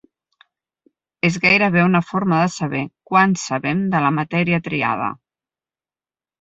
És gairebé una forma de saber quant sabem de la matèria triada.